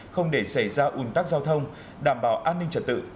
không để xảy ra ủn tắc giao thông đảm bảo an ninh trật tự